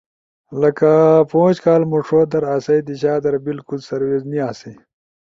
لکہ پوش کال موݜو در اسئی دیشا در بالکل سروس نی آسی۔